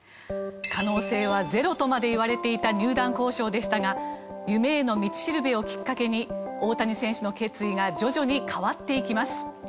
可能性はゼロとまで言われていた入団交渉でしたが「夢への道しるべ」をきっかけに大谷選手の決意が徐々に変わっていきます。